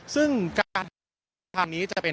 ซึ่งการเที่ยวทางนี้จะเป็น